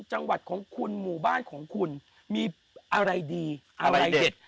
จังหวัดของคุณหมู่บ้านของคุณมีอะไรดีอะไรเด็ด